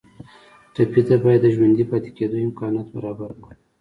ټپي ته باید د ژوندي پاتې کېدو امکانات برابر کړو.